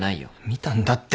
見たんだって。